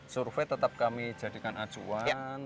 survei tetap kami jadikan acuan